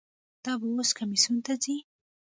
دا به اوس کمیسیون ته ځي.